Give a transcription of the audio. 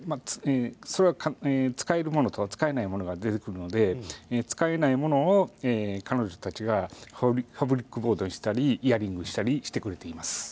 使えるものと使えないものが出てくるので使えないものを彼女たちがファブリックボードにしたりイヤリングにしてくれています。